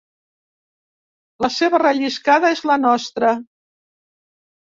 La seva relliscada és la nostra.